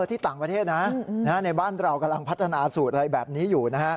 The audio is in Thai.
ที่ต่างประเทศนะในบ้านเรากำลังพัฒนาสูตรอะไรแบบนี้อยู่นะฮะ